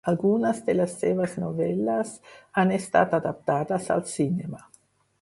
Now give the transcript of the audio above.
Algunes de les seves novel·les han estat adaptades al cinema.